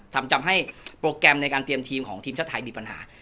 ทำให้โปรแกรมในการเตรียมทีมของทีมชาติไทยมีปัญหา